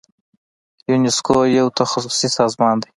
یونسکو یو تخصصي سازمان دی.